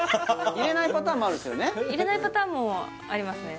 入れないパターンもありますね